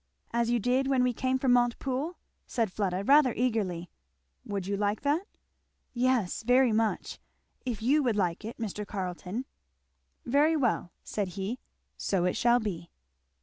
"As you did when we came from Montepoole?" raid Fleda rather eagerly. "Would you like that?" "Yes, very much, if you would like it, Mr. Carleton." "Very well," said he. "So it shall be."